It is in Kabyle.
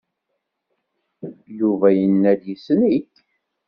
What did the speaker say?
Yuba yenna-d yessen-ik.